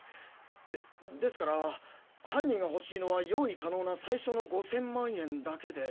でですから犯人が欲しいのは用意可能な最初の５千万円だけで。